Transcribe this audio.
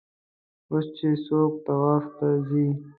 اوس چې څوک طواف ته ځي.